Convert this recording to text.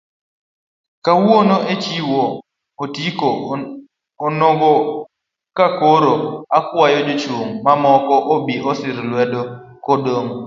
Kawuono echiwo otiko onogo kakoro okwayo jochung' mamoko obi osir lwedo Kadogo.